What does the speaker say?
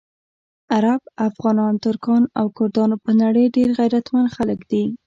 عرب، افغانان، ترکان او کردان په نړۍ ډېر غیرتمند خلک دي.